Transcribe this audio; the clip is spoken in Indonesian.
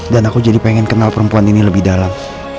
dan aku jadi pengen kenal perempuan ini lebih dalam